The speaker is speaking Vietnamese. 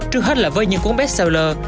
trước hết là với những cuốn bestseller